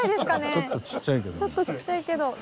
ちょっとちっちゃいけど挑戦を。